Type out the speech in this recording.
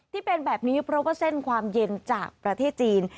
ที่เป็นแบบนี้เพราะว่าเส้นความเย็นจากประเทศจีน